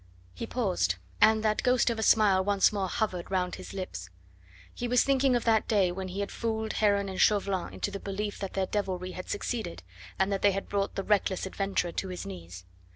He paused, and that ghost of a smile once more hovered round his lips. He was thinking of that day when he had fooled Heron and Chauvelin into the belief that their devilry had succeeded, and that they had brought the reckless adventurer to his knees.